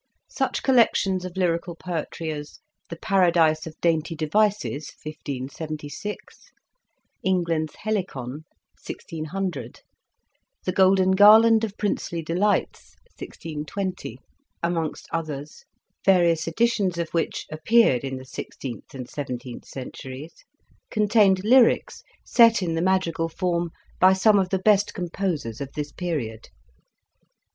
Such collections of lyrical poetry as " The Paradise of Dainty Devices, 1576," "England's Helicon, 1600," "The Golden Garland of Princely Delights, 1620," amongst others, various editions of which appeared in the sixteenth and seven teenth centuries, contained lyrics set in the madrigal form by some of the best composers of this period.